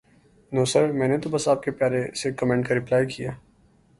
نو sir میں نے تو بس آپ کے پیارے سے کومینٹ کا رپلائے کیا